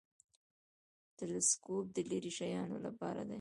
تلسکوپ د لیرې شیانو لپاره دی